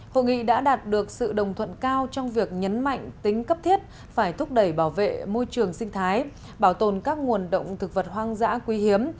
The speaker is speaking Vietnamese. hội nghị đã đạt được sự đồng thuận cao trong việc nhấn mạnh tính cấp thiết phải thúc đẩy bảo vệ môi trường sinh thái bảo tồn các nguồn động thực vật hoang dã quý hiếm